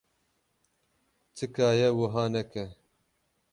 Tika ye wiha neke.